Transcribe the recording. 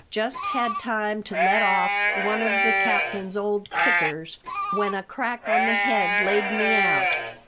Just had time to let off one of the captain's old kickers, when a crack on the head laid me out.